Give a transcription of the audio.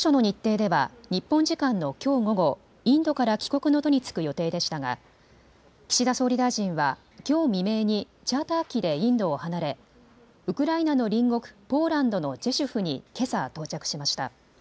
当初の日程では日本時間のきょう午後、インドから帰国の途に就く予定でしたが、岸田総理大臣はきょう未明にチャーター機でインドを離れ、ウクライナの隣国ポーランドのジェシュフにけさ到着しました。